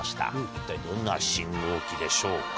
一体どんな信号機でしょうか？